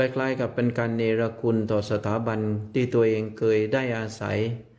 คล้ายกับเป็นการเนรคุณต่อสถาบันที่ตัวเองเคยได้อาศัย